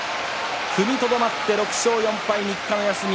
踏みとどまって６勝４敗３日の休み。